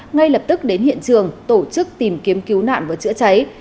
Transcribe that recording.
ngay lập tức đến hiện trường tổ chức tìm kiếm cứu nạn và chữa cháy